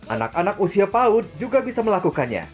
anak anak usia paut juga bisa melakukannya